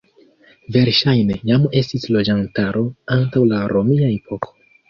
Verŝajne jam estis loĝantaro antaŭ la romia epoko.